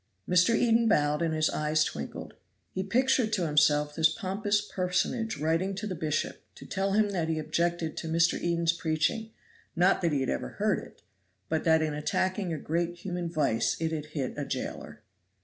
Mr. Eden bowed and his eyes twinkled. He pictured to himself this pompous personage writing to the Bishop of to tell him that he objected to Mr. Eden's preaching; not that he had ever heard it; but that in attacking a great human vice it had hit a jailer.